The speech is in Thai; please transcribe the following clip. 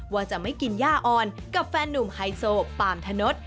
ว่าจะไม่กินย่าอ่อนกับแฟนนุ่มไฮโซปามธนด